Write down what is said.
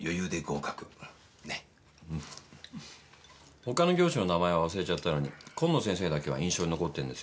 他の教師の名前は忘れちゃったのに紺野先生だけは印象に残ってんですよね。